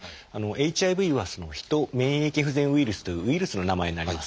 ＨＩＶは「ヒト免疫不全ウイルス」というウイルスの名前になります。